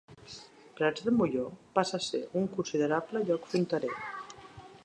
Prats de Molló passà a ser un considerable lloc fronterer.